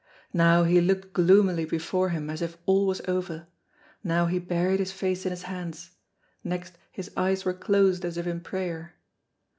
Now he looked gloomily before him as if all was over, now he buried his face in his hands, next his eyes were closed as if in prayer.